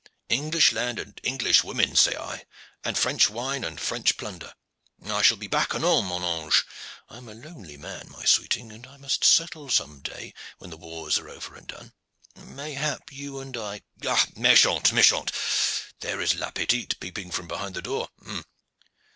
English land and English women, say I, and French wine and French plunder. I shall be back anon, mon ange. I am a lonely man, my sweeting, and I must settle some day when the wars are over and done. Mayhap you and I Ah, mechante, mechante! There is la petite peeping from behind the door.